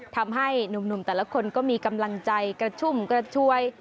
ทำให้หนุ่มแต่ละคนก็มีกำลังใจกระชุ่มกระชวย